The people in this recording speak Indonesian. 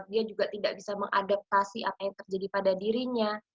dia juga tidak bisa mengadaptasi apa yang terjadi pada dirinya